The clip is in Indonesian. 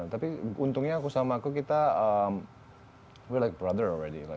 tapi untungnya aku sama aku kita seperti saudara